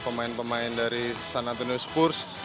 pemain pemain dari san antonio spurs